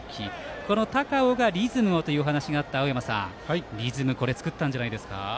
この高尾がリズムをという話がありましたがリズム作ったんじゃないですか。